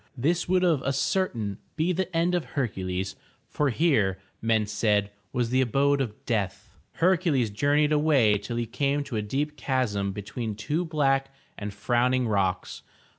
This would of a certain be the end of Hercules, for here, men said, was the abode of death. Hercules journeyed away till he came to a deep chasm be tween two black and frowning rocks.